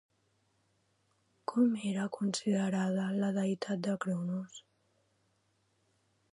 Com era considerada la deïtat de Chronos?